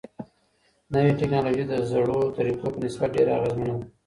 نوي ټيکنالوژي د زړو طريقو په نسبت ډيره اغيزمنه ده.